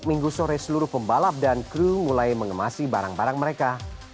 minggu sore seluruh pembalap dan kru mulai mengemasi barang barang mereka